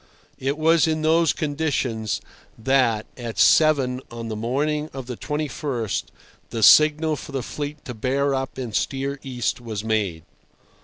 It was in those conditions that, at seven on the morning of the 21st, the signal for the fleet to bear up and steer east was made.